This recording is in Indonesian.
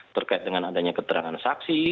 terkait dengan adanya keterangan saksi